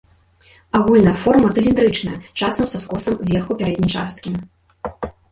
Агульная форма цыліндрычная, часам са скосам верху пярэдняй часткі.